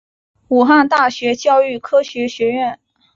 武汉大学教育科学学院